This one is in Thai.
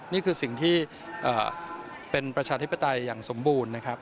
นี่คือสิ่งที่เป็นประชาธิปไตยอย่างสมบูรณ์นะครับ